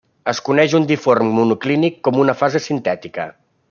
Es coneix un dimorf monoclínic com una fase sintètica.